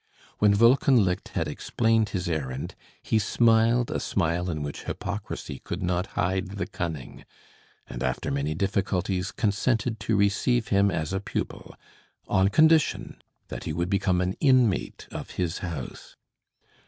When Wolkenlicht had explained his errand, he smiled a smile in which hypocrisy could not hide the cunning, and, after many difficulties, consented to receive him as a pupil, on condition that he would become an inmate of his house.